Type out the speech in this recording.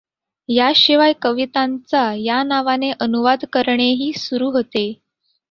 याशिवाय कवितांचा या नावाने अनुवाद करणेही सुरू होते.